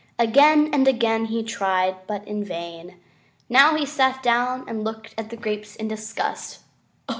Again and again he tried, but in vain. Now he sat down and looked at the grapes in disgust.